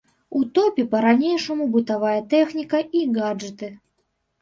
У топе па-ранейшаму бытавая тэхніка і гаджэты.